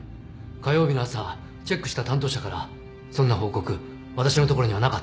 火曜日の朝チェックした担当者からそんな報告わたしのところにはなかった。